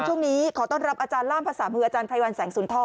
ช่วงนี้ขอต้อนรับอาจารย์ล่ามภาษามืออาจารย์ไพรวัลแสงสุนทร